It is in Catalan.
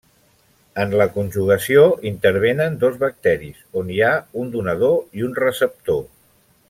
En la conjugació intervenen dos bacteris on hi ha un donador i un receptor.